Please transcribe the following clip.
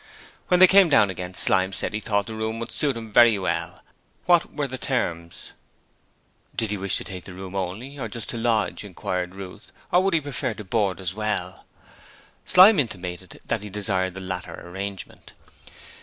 When they came down again Slyme said he thought the room would suit him very well. What were the terms? Did he wish to take the room only just to lodge? inquired Ruth, or would he prefer to board as well? Slyme intimated that he desired the latter arrangement.